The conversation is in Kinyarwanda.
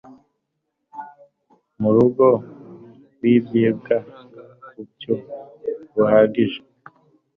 murongo w ibyigwa ku buryo buhagije